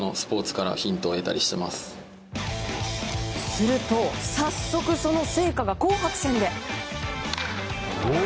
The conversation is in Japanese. すると、早速その成果が紅白戦で。